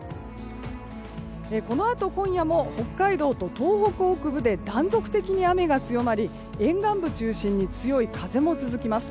このあと今夜も北海道と東北北部で断続的に雨が強まり沿岸部中心に強い風も続きます。